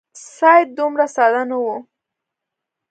سید دومره ساده نه وو.